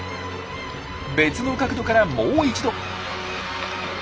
別の角度からもう一度。